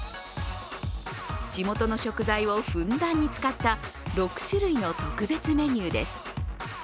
地元の食材をふんだんに使った６種類の特別メニューです。